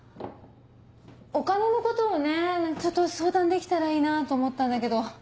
お金のことをねちょっと相談できたらいいなと思ったんだけど。